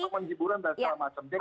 untuk teman teman hiburan dan segala macam